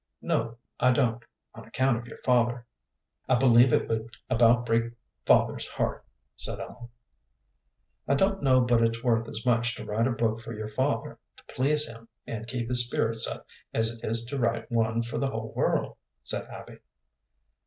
"No, I don't, on account of your father." "I believe it would about break father's heart," said Ellen. "I don't know but it's worth as much to write a book for your father, to please him, and keep his spirits up, as it is to write one for the whole world," said Abby.